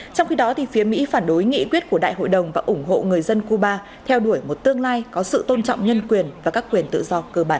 trong khi đó phía mỹ phản đối nghị quyết của đại hội đồng và ủng hộ người dân cuba theo đuổi một tương lai có sự tôn trọng nhân quyền và các quyền tự do cơ bản